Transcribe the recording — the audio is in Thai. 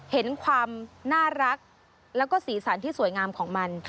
เห็นความน่ารักแล้วก็สีสันที่สวยงามของมัน